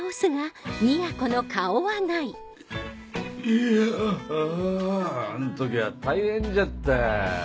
いやぁああん時は大変じゃった。